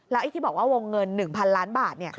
ไอ้ที่บอกว่าวงเงิน๑๐๐๐ล้านบาท